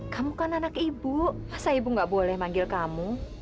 kamu kan anak ibu masa ibu gak boleh manggil kamu